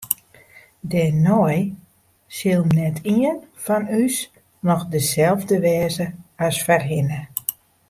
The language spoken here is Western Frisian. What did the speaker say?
Dêrnei sil net ien fan ús noch deselde wêze as foarhinne.